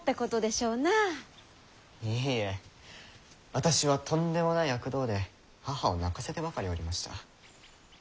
私はとんでもない悪童で母を泣かせてばかりおりました。